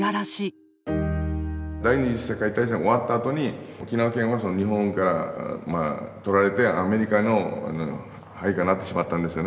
第二次世界大戦終わったあとに沖縄県は日本から取られてアメリカの配下になってしまったんですよね。